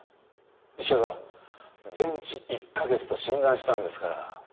医者が全治１カ月と診断したんですから。